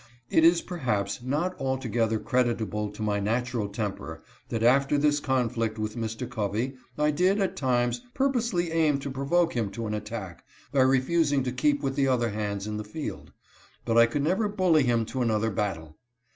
It is perhaps not altogether creditable to my natural temper that after this conflict with Mr. Covey I did, at times, purposely aim to provoke him to an attack, by refusing to keep with the other hands in the field ; but I could never bully him to another battle.